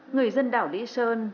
người dân đảo lý sơn